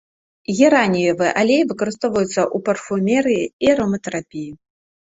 Гераніевы алей выкарыстоўваецца ў парфумерыі і ароматэрапіі.